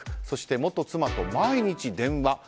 そして元妻と毎日電話。